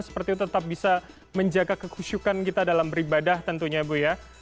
seperti itu tetap bisa menjaga kekusyukan kita dalam beribadah tentunya bu ya